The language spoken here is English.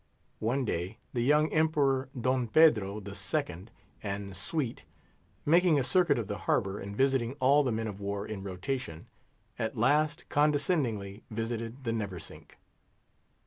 One day, the young Emperor, Don Pedro II., and suite—making a circuit of the harbour, and visiting all the men of war in rotation—at last condescendingly visited the Neversink.